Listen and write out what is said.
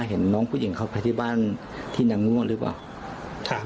เห็นน้องผู้หญิงเข้าไปที่บ้านที่นางงั่วหรือเปล่า